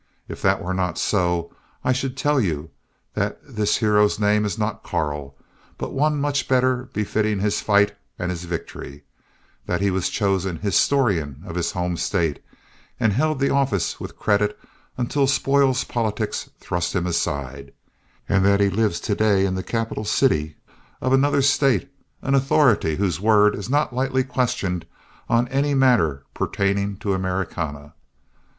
If that were not so, I should tell you that this hero's name is not Karl, but one much better befitting his fight and his victory; that he was chosen historian of his home State, and held the office with credit until spoils politics thrust him aside, and that he lives to day in the capital city of another State, an authority whose word is not lightly questioned on any matter pertaining to Americana.